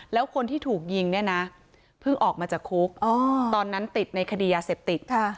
แล้วคนที่ถูกยิงเนี่ยนะเพิ่งออกมาจากคุกตอนนั้นติดในคดียาเสพติด